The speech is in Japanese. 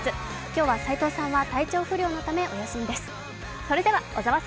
今日は齋藤さんは体調不良のためお休みです。